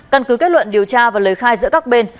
căn cứ kết luận điều tra và lời khai giữa các bên